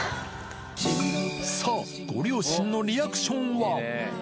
さあ、ご両親のリアクションは。